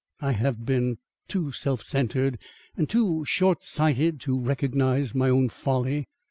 I have been too self centred, and too short sighted to recognise my own folly.